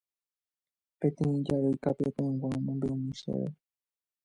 Peteĩ jarýi Kapi'atãygua omombe'úmi chéve